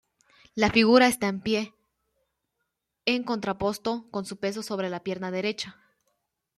La figura está en pie, en contrapposto con su peso sobre la pierna derecha.